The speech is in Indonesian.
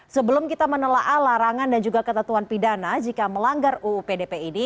sebelum kita menelaa larangan dan juga ketentuan pidana jika melanggar uu pdp ini